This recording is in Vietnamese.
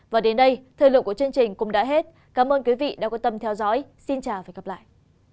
và đến đây thời lượng của chương trình cũng đã hết cảm ơn quý vị đã quan tâm theo dõi xin chào và hẹn gặp lại